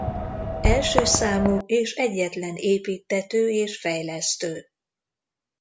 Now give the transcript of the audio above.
Első számú és egyetlen építtető és fejlesztő.